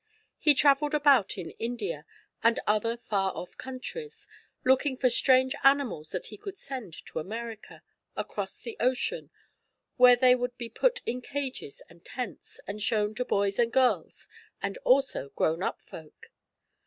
He traveled about in India, and other far off countries, looking for strange animals that he could send to America, across the ocean, where they would be put in cages and tents and shown to boys and girls, and also grown up folk.